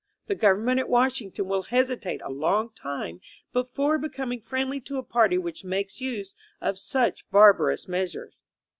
The government at Washington will hesitate a long time before becoming friendly to a party which makes use of such barbarous measures."